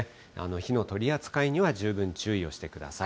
火の取り扱いには十分注意をしてください。